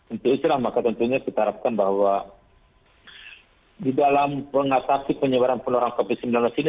untuk itulah maka tentunya kita harapkan bahwa di dalam mengatasi penyebaran penularan covid sembilan belas ini